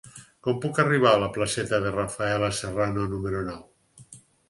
Com puc arribar a la placeta de Rafaela Serrano número nou?